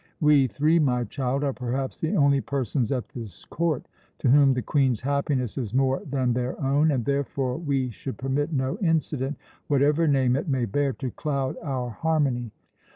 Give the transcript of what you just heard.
We three, my child, are perhaps the only persons at this court to whom the Queen's happiness is more than their own, and therefore we should permit no incident, whatever name it may bear, to cloud our harmony."